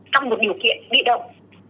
trong một điều kiện đi động